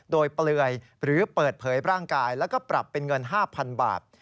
โดยเปลือยหรือเปิดเผยร่างกายแล้วก็ปรับเป็นเงิน๕๐๐๐บาท